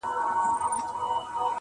د زندانونو تعبیرونه له چا وپوښتمه.!